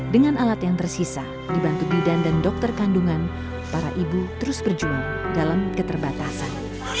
dengan alat yang tersisa dibantu bidan dan dokter kandungan para ibu terus berjuang dalam keterbatasan